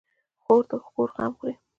خور د کور غم خوري.